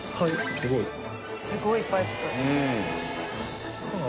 すごいいっぱい付く。